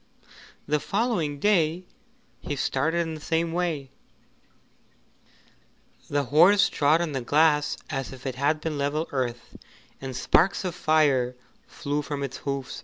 The following day he started in the same way; the horse trod on the glass as if it had been level earth, and sparks of fire flew from its hoofs.